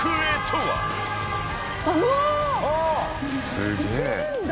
すげえ。